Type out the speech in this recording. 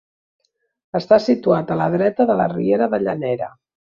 Està situat a la dreta de la riera de Llanera.